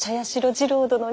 次郎殿に。